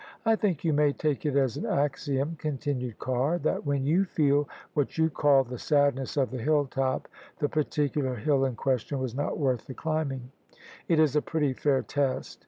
" I think you may take It as an axiom," continued Carr, " that when you feel what you call the sadness of the hill top, the particular hlU In question was not worth the climb ing. It is a pretty fair test.